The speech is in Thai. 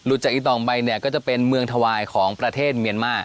จากอีตองไปเนี่ยก็จะเป็นเมืองถวายของประเทศเมียนมา